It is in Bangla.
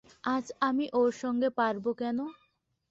আজ আমি ওর সঙ্গে পারব কেন।